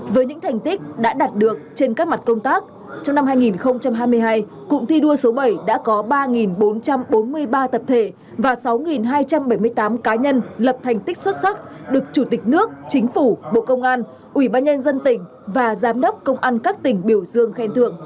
với những thành tích đã đạt được trên các mặt công tác trong năm hai nghìn hai mươi hai cụm thi đua số bảy đã có ba bốn trăm bốn mươi ba tập thể và sáu hai trăm bảy mươi tám cá nhân lập thành tích xuất sắc được chủ tịch nước chính phủ bộ công an ubnd tỉnh và giám đốc công an các tỉnh